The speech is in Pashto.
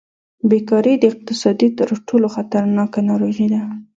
بېکاري د اقتصاد تر ټولو خطرناکه ناروغي ده.